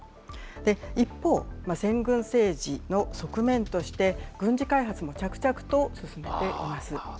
一方、先軍政治の側面として、軍事開発も着々と進めています。